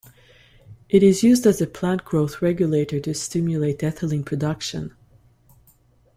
It is used as a plant growth regulator to stimulate ethylene production.